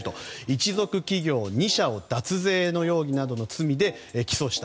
一族企業２社を脱税の容疑などの罪で起訴した。